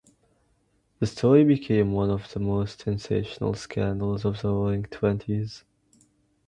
Their story became one of the most sensational "scandals" of the Roaring Twenties.